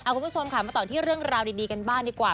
คุณผู้ชมค่ะมาต่อที่เรื่องราวดีกันบ้างดีกว่า